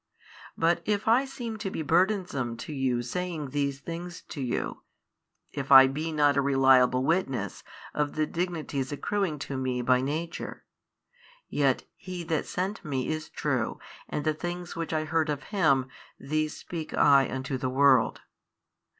But if I seem to be burdensome to you saying these things to you, if I be not a reliable witness of the Dignities accruing to Me by Nature, yet He That sent Me is True and the things which I heard of Him, these speak I unto the world.